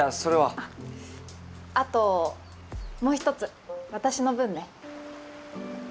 あと、もう一つ私の分ね。